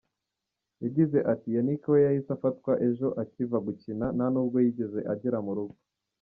Yagize ati ” Yannick we yahise afatwa ejo akiva gukina, ntanubwo yigeze agera mu rugo